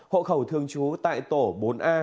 hộ khẩu thường trú tại tổ bốn a